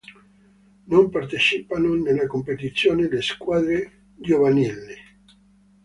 Non partecipano nella competizione le squadre giovanili.